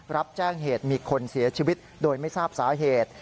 รับแจ้งเหตุมีคนเสียชีวิตโดยไม่ทราบสาเหตุ